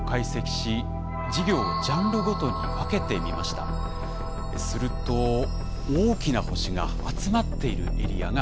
すると大きな星が集まっているエリアがあります。